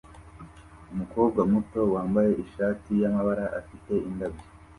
Umukobwa muto wambaye ishati yamabara afite indabyo